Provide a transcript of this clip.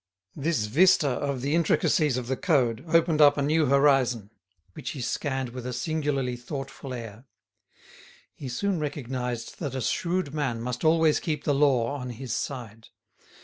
This vista of the intricacies of the Code opened up a new horizon, which he scanned with a singularly thoughtful air. He soon recognised that a shrewd man must always keep the law on his side.